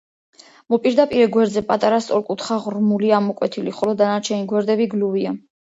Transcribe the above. მოპირდაპირე გვერდზე პატარა სწორკუთხა ღრმულია ამოკვეთილი, ხოლო დანარჩენი გვერდები გლუვია.